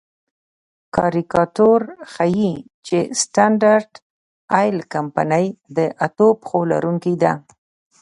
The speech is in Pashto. کاریکاتور ښيي چې سټنډرډ آیل کمپنۍ د اتو پښو لرونکې ده.